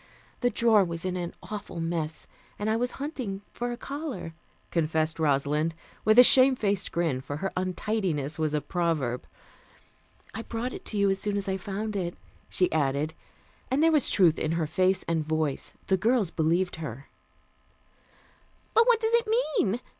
The drawer was in an awful mess, and I was hunting for a collar," confessed Rosalind with a shame faced grin, for her untidiness was a proverb. "I brought it to you as soon as I found it," she added, and there was truth in her face and voice. The girls believed her. "But what does it mean?"